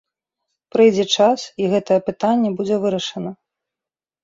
Прыйдзе час, і гэтае пытанне будзе вырашана.